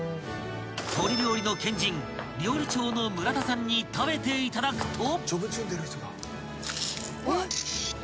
［鶏料理の賢人料理長の村田さんに食べていただくと］